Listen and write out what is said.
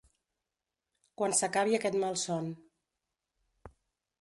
Quan s’acabi aquest malson.